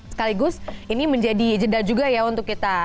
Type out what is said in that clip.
sekaligus ini menjadi jeda juga ya untuk kita